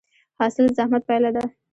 حاصل د زحمت پایله ده؟